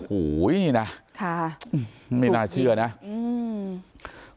โอ้โหนะค่ะไม่น่าเชื่อนะอืม